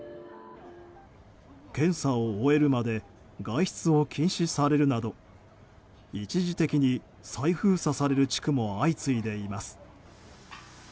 検査を終えるまで外出を禁止されるなど一時的に再封鎖される地区も相次いでいます。